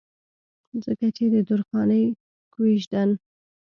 ځکه چې د درخانۍ کويژدن